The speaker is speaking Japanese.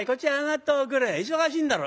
忙しいんだろ？」。